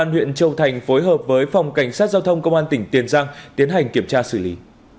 đối với phòng cảnh sát giao thông công an tỉnh tiền giang tiến hành kiểm tra xử lý